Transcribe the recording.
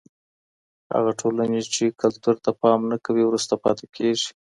هغه ټولني چی کلتور ته پام نه کوي وروسته پاته کیږي.